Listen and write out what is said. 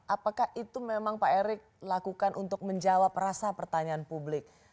apakah itu memang pak erick lakukan untuk menjawab rasa pertanyaan publik